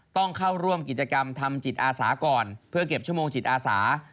ต้องเข้าร่วมกิจกรรมทำจิตอาสาก่อนเพื่อเก็บชั่วโมงจิตอาสา